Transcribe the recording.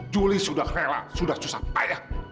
juli sudah rela sudah susah payah